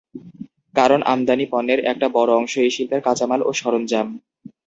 কারণ, আমদানি পণ্যের একটা বড় অংশ এই শিল্পের কাঁচামাল ও সরঞ্জাম।